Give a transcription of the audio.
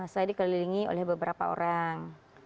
saya dikelilingi oleh beberapa orang